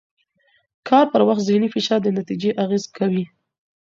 کار پر وخت ذهني فشار د نتیجې اغېز کوي.